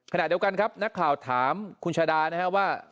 ขณะเดียวกันครับนักข่าวถามคุณชาดานะครับว่า